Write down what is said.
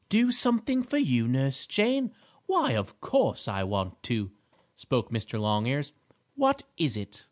"Do something for you, Nurse Jane? Why, of course, I want to," spoke Mr. Longears. "What is it?"